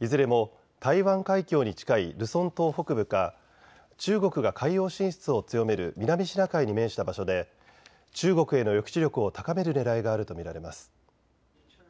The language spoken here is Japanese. いずれも台湾海峡に近いルソン島北部か中国が海洋進出を強める南シナ海に面した場所で中国への抑止力を高めるねらいがあると見られます。